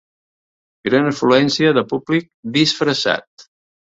Gran afluència de públic disfressat.